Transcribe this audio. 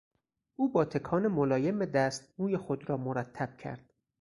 او با تکان ملایم دست موی خود را مرتب کرد.